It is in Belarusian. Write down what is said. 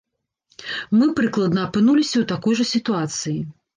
Мы, прыкладна, апынуліся ў такой жа сітуацыі.